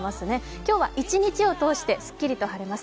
今日は一日を通してすっきりと晴れます。